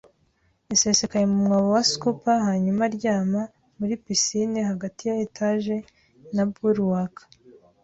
yasesekaye mu mwobo wa scupper hanyuma aryama, muri pisine, hagati ya etage na bulwark.